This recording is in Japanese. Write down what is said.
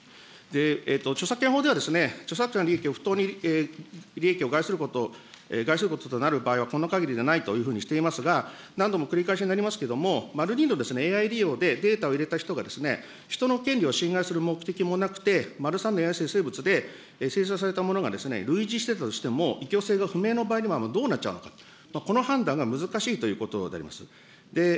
著作権法では、著作権の利益を不当に利益を害することとなる場合は、この限りではないというふうにしていますが、何度も繰り返しになりますけれども、丸２のＡＩりようで、データを入れた人が、人の権利を侵害する目的もなくて、丸３の生成物で、生成されたものが類似していたとしてもいきょうせいが不明の場合にはどうなっちゃうのか、この判断が難しいということであります。